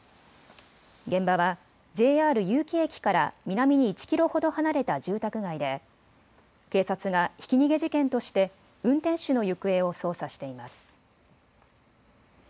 現場はＪＲ結城駅から南に１キロほど離れた住宅街で警察がひき逃げ事件として運転手の行方を捜査しています。